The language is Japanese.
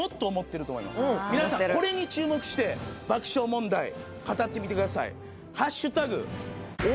皆さんこれに注目して爆笑問題語ってみてください。